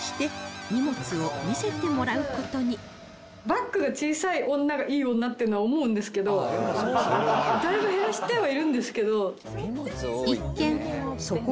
バッグが小さい女がいい女っていうのは思うんですけどだいぶ減らしてはいるんですけど。